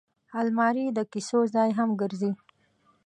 الماري د کیسو ځای هم ګرځي